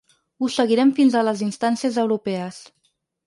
Ho seguirem fins a les instàncies europees.